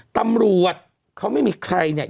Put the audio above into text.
ตำรวจเขาไม่มีใครเนี่ย